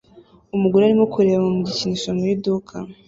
Umugore arimo kureba mu gikinisho mu iduka